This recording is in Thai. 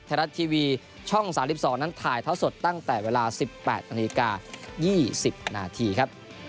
ไทยรัฐทีวีช่อง๓๒นั้นถ่ายเท้าสดตั้งแต่เวลา๑๘นาฬิกา๒๐นาทีครับ